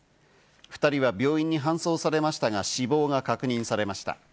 ２人は病院に搬送されましたが、死亡が確認されました。